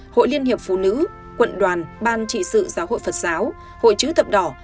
hội liên hiệp phụ nữ quận đoàn ban trị sự giáo hội phật giáo hội chứ tập đỏ